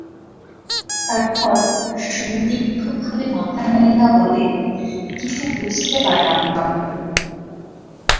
তারপর সন্দিগ্ধভাবে মাথা নাড়িয়া বলে, কিছু বুঝতে পারলাম না বাপু।